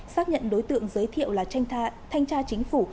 xác nhận đối tượng giới thiệu là thanh tra chính phủ